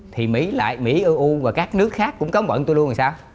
thì mỹ lại mỹ eu và các nước khác cũng cấm vận tôi luôn sao